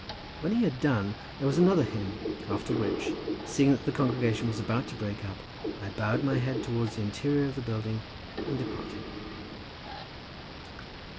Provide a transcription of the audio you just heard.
When he had done there was another hymn, after which seeing that the congregation was about to break up I bowed my head towards the interior of the building, and departed.